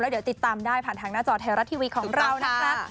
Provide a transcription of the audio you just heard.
เดี๋ยวติดตามได้ผ่านทางหน้าจอไทยรัฐทีวีของเรานะคะ